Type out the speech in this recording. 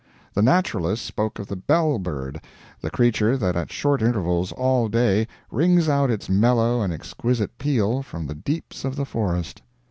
The naturalist spoke of the bell bird, the creature that at short intervals all day rings out its mellow and exquisite peal from the deeps of the forest.